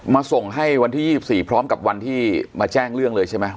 ส่งให้วันที่๒๔พร้อมกับวันที่มาแจ้งเรื่องเลยใช่ไหม